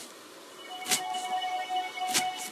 نړیوال ذوق انسټیټیوټ د دې نبات ستاینه کړې ده.